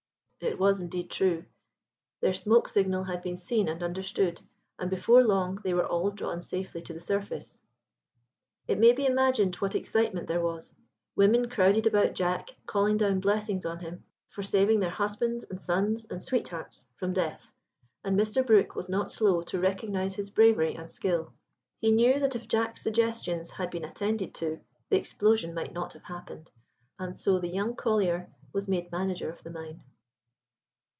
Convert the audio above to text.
[It was indeed true. Their smoke signal had been seen and understood, and before long they were all drawn safely to the surface. It may be imagined what excitement there was. Women crowded about Jack, calling down blessings on him for saving their husbands, and sons, and sweethearts, from death. And Mr. Brook was not slow to recognize his bravery and skill. He knew that if Jack's suggestions had been attended to, the explosion might not have happened; and so the young collier was made manager of the mine.